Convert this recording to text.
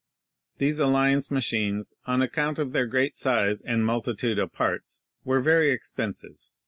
These Alliance machines, on account of their great size and multitude of parts, were very expensive.